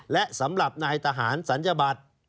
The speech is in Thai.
และสำหรับนายทหารศัลยบัตร